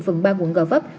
phần ba quận gò vấp